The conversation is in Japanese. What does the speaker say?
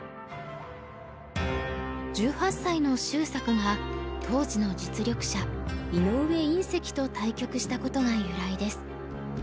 １８歳の秀策が当時の実力者井上因碩と対局したことが由来です。